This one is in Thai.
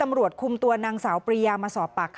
ไม่รู้จริงว่าเกิดอะไรขึ้น